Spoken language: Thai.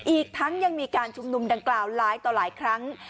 อีกทั้งยังมีการชุมนุมดังกล่าวหลายต่อหลายครั้ง